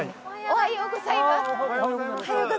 おはようございます。